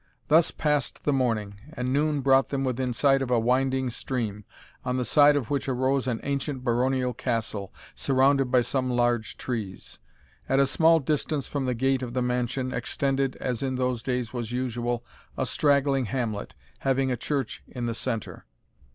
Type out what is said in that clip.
Thus passed the morning, and noon brought them within sight of a winding stream, on the side of which arose an ancient baronial castle, surrounded by some large trees. At a small distance from the gate of the mansion, extended, as in those days was usual, a straggling hamlet, having a church in the centre.